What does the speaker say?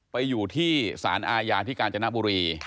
ไปอยู่ที่สารอาญาที่กาญจนบุรี